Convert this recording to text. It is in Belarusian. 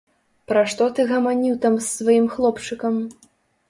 Пра што ты гаманіў там з сваім хлопчыкам?